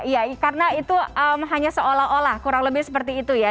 iya karena itu hanya seolah olah kurang lebih seperti itu ya